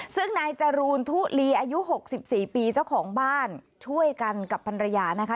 ซึ่งนายจรูนทุลีอายุ๖๔ปีเจ้าของบ้านช่วยกันกับพันรยานะคะ